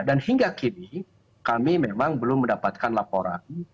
dan hingga kini kami memang belum mendapatkan laporan